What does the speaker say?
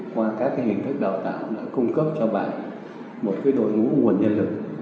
qua các hình thức đào tạo đã cung cấp cho bạn một đội ngũ nguồn nhân lực